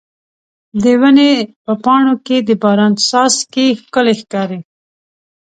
د ونې په پاڼو کې د باران څاڅکي ښکلي ښکاري.